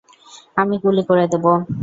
আমি গুলি করে দেবো!